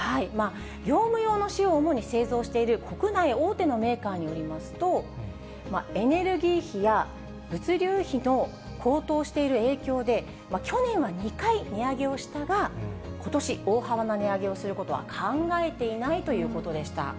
業務用の塩を主に製造している国内大手のメーカーによりますと、エネルギー費や物流費の高騰している影響で、去年は２回、値上げをしたが、ことし、大幅な値上げをすることは考えていないということでした。